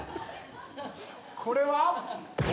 ⁉これは。